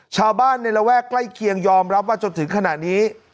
ชาวบ้านในระแวกใกล้เคียงยอมรับว่าจนถึงขณะนี้